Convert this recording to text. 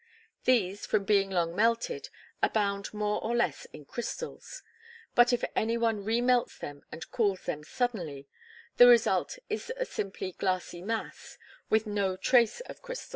These, from being long melted, abound more or less in crystals; but if any one re melts them and cools them suddenly, the result is a simple glassy mass, with no trace of crystals.